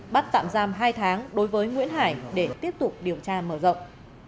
bắt tạm giam hai tháng đối với nguyễn hải để tiếp tục điều tra mở rộng